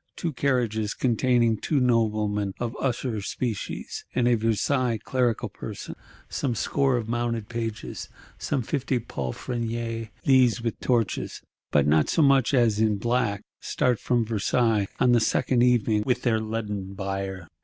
Two carriages containing two noblemen of the usher species, and a Versailles clerical person; some score of mounted pages, some fifty palfreniers; these, with torches, but not so much as in black, start from Versailles on the second evening with their leaden bier.